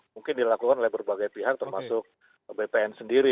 mungkin dilakukan oleh berbagai pihak termasuk bpn sendiri